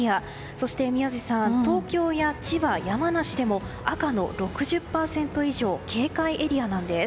そして宮司さん東京や千葉、山梨でも赤の６０％以上警戒エリアなんです。